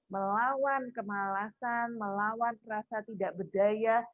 melawan kemalasan melawan rasa tidak berdaya